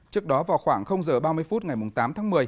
trước đó vào khoảng h ba mươi phút ngày tám tháng một mươi